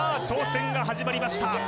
挑戦が始まりました